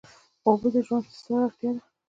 اوبه د ژوند ستره اړتیا ده.